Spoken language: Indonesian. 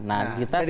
nah kita sangat